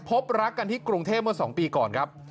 พบรักกันที่กรุงเทพเมื่อ๒ปีก่อนครับ